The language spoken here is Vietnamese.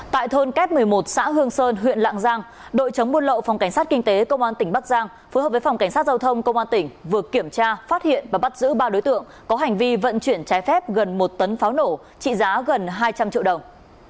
tại thôn kép một mươi một xã hương sơn huyện lạng giang đội chống buôn lậu phòng cảnh sát kinh tế công an tỉnh bắc giang phối hợp với phòng cảnh sát giao thông công an tỉnh vừa kiểm tra phát hiện và bắt giữ ba đối tượng có hành vi vận chuyển trái phép gần một tấn pháo nổ trị giá gần hai trăm linh triệu đồng